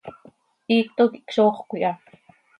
Hiicto quih czooxöc iha.